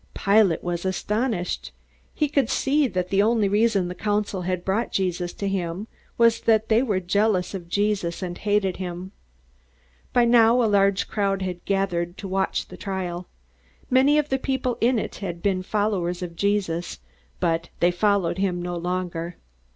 Pilate was astonished. He could see that the only reason the council had brought Jesus to him was that they were jealous of Jesus and hated him. By now a large crowd had gathered to watch the trial. Many of the people in it had been Jesus' followers, but they followed him no longer.